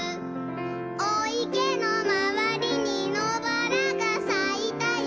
「おいけのまわりにのばらがさいたよ」